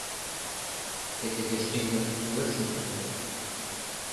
Тый тыге шкендым йӧршын пытарет.